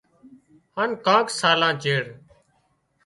هانَ ڪانڪ سالان چيڙ